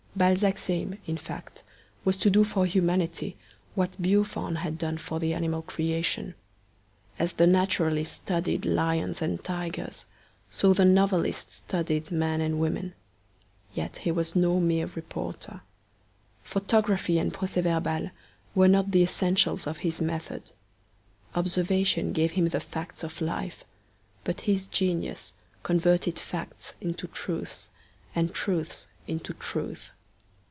Balzac's aim, in fact, was to do for humanity what Buffon had done for the animal creation. As the naturalist studied lions and tigers, so the novelist studied men and women. Yet he was no mere reporter. Photography and proces verbal were not the essentials of his method. Observation gave him the facts of life, but his genius converted facts into truths, and truths into truth.